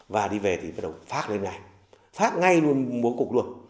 và đi về thì bắt đầu phát lên ngay phát ngay luôn mối cục luôn